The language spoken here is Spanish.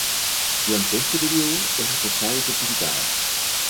Durante este período es reforzada y fortificada.